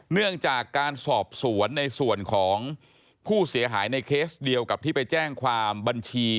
เนื่องจากการสอบสวนในส่วนของผู้เสียหายในเคสเดียวกับที่ไปแจ้งความบัญชี